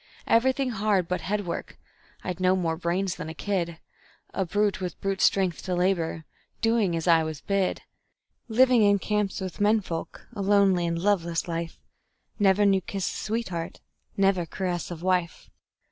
Everything hard but headwork (I'd no more brains than a kid), A brute with brute strength to labor, doing as I was bid; Living in camps with men folk, a lonely and loveless life; Never knew kiss of sweetheart, never caress of wife.